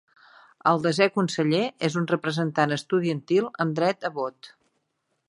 El desè conseller és un representant estudiantil amb dret a vot.